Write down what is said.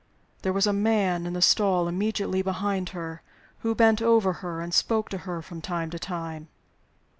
There was a man in the stall immediately behind her, who bent over her and spoke to her from time to time.